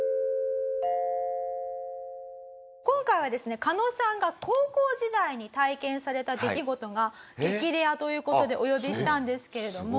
今回はですねカノさんが高校時代に体験された出来事が激レアという事でお呼びしたんですけれども。